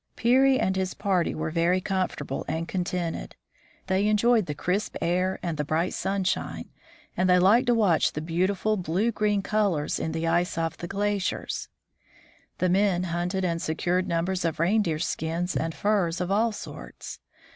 Peary and his party were very comfortable and con tented. They enjoyed the crisp air and the bright sun 136 THE FROZEN NORTH shine, and they liked to watch the beautiful blue green colors in the ice of the glaciers. The men hunted, and secured numbers of reindeer skins and furs of all sorts.